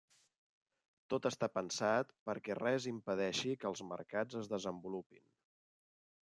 Tot està pensat perquè res impedeixi que els mercats es desenvolupin.